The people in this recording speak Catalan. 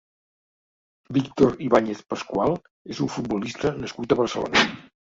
Víctor Ibañez Pascual és un futbolista nascut a Barcelona.